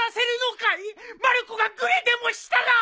まる子がグレでもしたら。